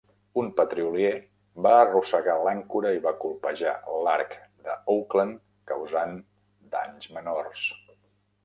Un petrolier va arrossegar l'àncora i va colpejar l'arc de "Oakland", causant danys menors.